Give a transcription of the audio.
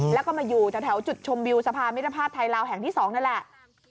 แล้วก็มาอยู่จากแถวจุดชมวิวสภาวิทยาภาษณ์ไทยราวแห่งที่๒นั่นแหละ